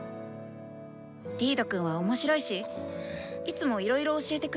リードくんは面白いしいつもいろいろ教えてくれるし。